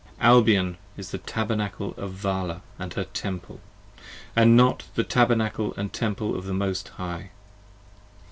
Albion is the Tabernacle of Vala & her Temple, 30 And not the Tabernacle & Temple of the Most High.